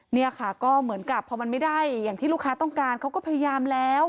เนี่ยค่ะก็เหมือนกับพอมันไม่ได้อย่างที่ลูกค้าต้องการเขาก็พยายามแล้ว